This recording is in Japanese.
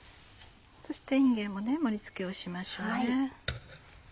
そしていんげんも盛り付けをしましょうね。